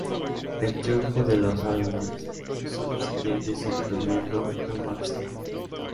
El triunfo de los álbumes subsiguientes, incluyendo "¡Lo Máximo!